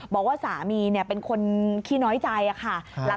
บอกว่าสามีเป็นคนขี้น้อยใจค่ะ